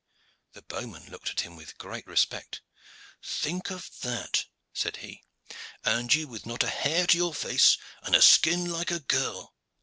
The bowman looked at him with great respect. "Think of that!" said he. "And you with not a hair to your face, and a skin like a girl.